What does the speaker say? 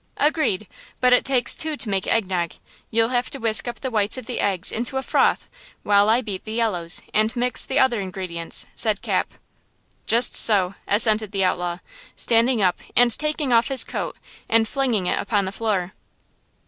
"Agreed, but it takes two to make egg nog; you'll have to whisk up the whites of the eggs into a froth, while I beat the yellows, and mix the other ingredients," said Cap. "Just so," assented the outlaw, standing up and taking off his coat and flinging it upon the floor.